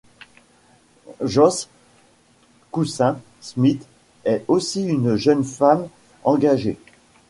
Joyce Cousseins-Smith est aussi une jeune femme engagée.